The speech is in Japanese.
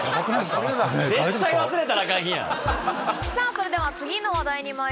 それでは次の話題にまいりましょう。